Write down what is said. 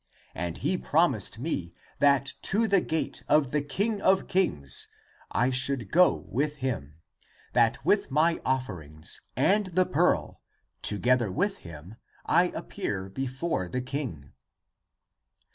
And he promised me that to the gate Of the King'<of kings> I should go with him. That with my ofiferings and the pearl Together with him I appear before the king."